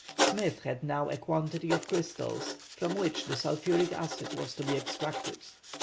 Smith had now a quantity of crystals, from which the sulphuric acid was to be extracted.